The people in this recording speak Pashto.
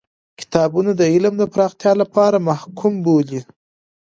کتابونه د علم د پراختیا لپاره محکوم بولی.